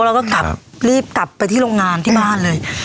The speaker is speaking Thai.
เราก็รีบกลับไปที่โรงงานที่บ้านเลย